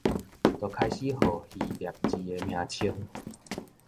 就開始號希臘字的名稱